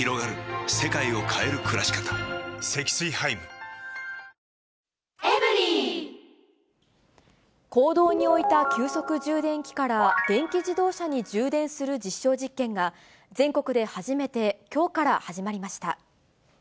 どうやって食べるのかなと思公道に置いた急速充電器から、電気自動車に充電する実証実験が、全国で初めてきょうから始まりました。